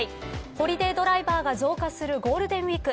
ホリデードライバーが増加するゴールデンウイーク。